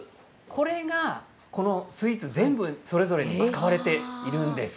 これが全部のスイーツそれぞれに使われているんです。